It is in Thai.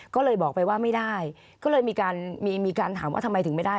ก็เลยบอกไปว่าไม่ได้ก็เลยมีการถามว่าทำไมถึงไม่ได้